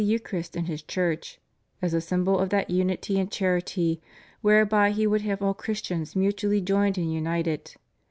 529 Eucharist in His Church "as a symbol of that unity and charity whereby He would have all Christians mutually joined and united